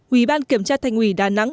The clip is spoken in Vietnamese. ủy ban kiểm tra thành ủy đà nẵng